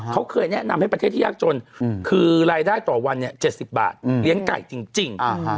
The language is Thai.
เขาเคยแนะนำให้ประเทศที่ยากจนคือรายได้ต่อวัน๗๐บาทเลี้ยงไก่จริง